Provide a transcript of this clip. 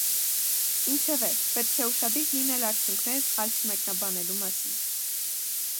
Ինչևէ, պետք է ուշադիր լինել արդյունքները սխալ չմեկնաբանելու մասին։